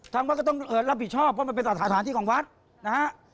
ทางวัดก็ต้องรับผิดชอบเพราะมันเป็นสถานที่ของวัดนะฮะ